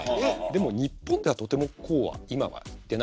でも日本ではとてもこうは今はいってないんですよ。